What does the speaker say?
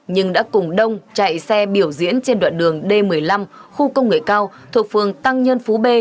nhưng đã cùng đông chạy xe biểu diễn trên đoạn đường d một mươi năm khu công nghệ cao thuộc phường tăng nhân phú b